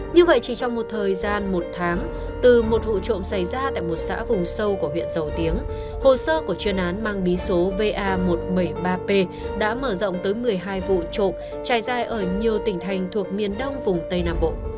như vậy chỉ trong một thời gian một tháng từ một vụ trộm xảy ra tại một xã vùng sâu của huyện dầu tiếng hồ sơ của chuyên án mang bí số va một trăm bảy mươi ba p đã mở rộng tới một mươi hai vụ trộm trải dài ở nhiều tỉnh thành thuộc miền đông vùng tây nam bộ